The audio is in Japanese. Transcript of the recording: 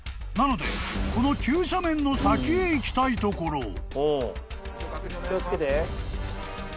なのでこの急斜面の先へ行きたいところ］